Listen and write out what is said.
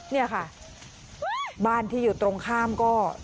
เนี่ยค่ะบ้านที่อยู่ตรงข้ามก็